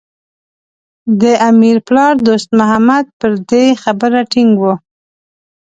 د امیر پلار دوست محمد پر دې خبره ټینګ و.